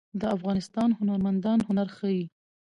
د افغانستان هنرمندان هنر ښيي